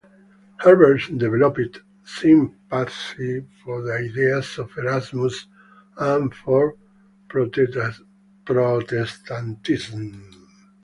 Herbers developed sympathy for the ideas of Erasmus and for Protestantism.